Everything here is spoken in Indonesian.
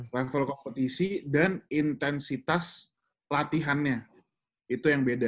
level kompetisi dan intensitas latihannya itu yang beda